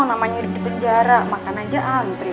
nama nyurik di penjara makan aja antri